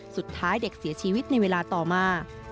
สุดท้ายเด็กเสียชีวิตในเวลาต่อมา